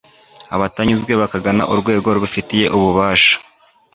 abatanyuzwe bakagana urwego rubifitiye ububasha